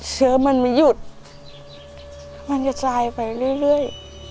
เชื้อมันไม่หยุดมันจะทรายไปเรื่อย